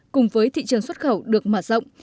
cùng với thị trường xuất khẩu được mở rộng